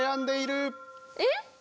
えっ？